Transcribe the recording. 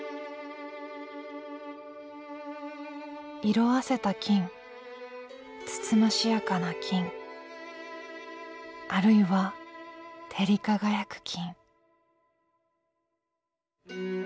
「色あせた金つつましやかな金あるいは照り輝く金」。